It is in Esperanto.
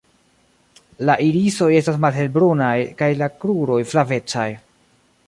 La irisoj estas malhelbrunaj kaj la kruroj flavecaj.